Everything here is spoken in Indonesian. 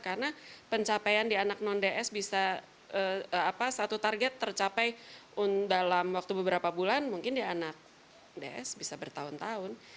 karena pencapaian di anak non ds bisa satu target tercapai dalam beberapa bulan mungkin di anak ds bisa bertahun tahun